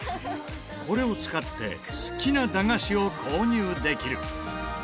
これを使って好きな駄菓子を購入できる。